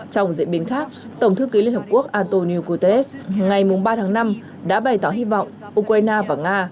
trong diễn biến khác tổng thư ký liên hợp quốc antonio guterres ngày ba tháng năm đã bày tỏ hy vọng ukraine và nga